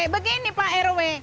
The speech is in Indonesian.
begini pak rw